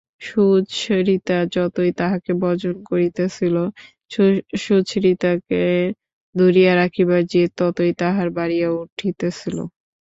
সুচরিতা যতই তাঁহাকে বর্জন করিতেছিল সুচরিতাকে ধরিয়া রাখিবার জেদ ততই তাঁহার বাড়িয়া উঠিতেছিল।